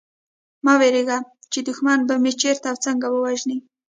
مه وېرېږی چي دښمن به مي چېرته او څنګه ووژني